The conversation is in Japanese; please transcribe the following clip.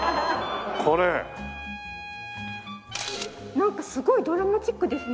なんかすごいドラマチックですね。